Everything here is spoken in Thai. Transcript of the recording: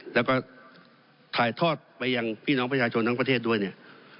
แล้วก็ถ่ายทอดไปยังพี่น้องประชาชนทั้งประเทศด้วยเนี่ย